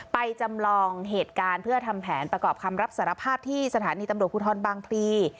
จำลองเหตุการณ์เพื่อทำแผนประกอบคำรับสารภาพที่สถานีตำรวจภูทรบางพลี